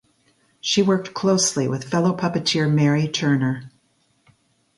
She worked closely with fellow puppeteer Mary Turner.